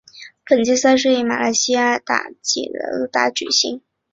本届赛事于在马来西亚吉打亚罗士打举行。